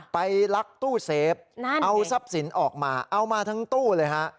ลักตู้เซฟเอาทรัพย์สินออกมาเอามาทั้งตู้เลยฮะ